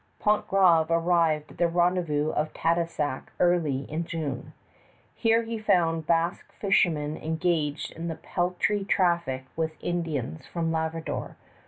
Pontgravé arrived at the rendezvous of Tadoussac early in June. Here he found Basque fishermen engaged in the peltry traffic with Indians from Labrador.